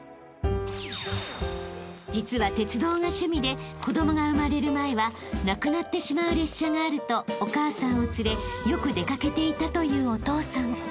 ［実は鉄道が趣味で子供が生まれる前はなくなってしまう列車があるとお母さんを連れよく出掛けていたというお父さん］